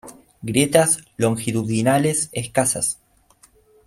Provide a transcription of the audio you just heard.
Grietas longitudinales escasas.